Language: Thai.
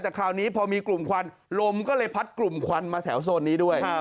แต่คราวนี้พอมีกลุ่มควันลมก็เลยพัดกลุ่มควันมาแถวโซนนี้ด้วย